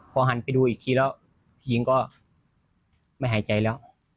พอหันไปดูอีกทีแล้วหญิงก็ไม่หายใจแล้ว